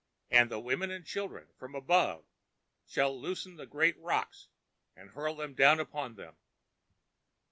And the women and children, from above, shall loosen the great rocks and hurl them down upon them.